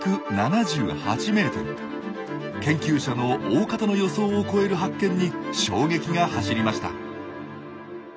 研究者のおおかたの予想を超える発見に衝撃が走りました。